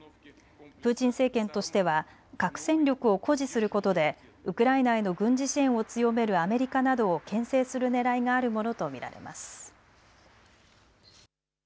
プーチン政権としては核戦力を誇示することでウクライナへの軍事支援を強めるアメリカなどをけん制するねらいがあるものと見られます。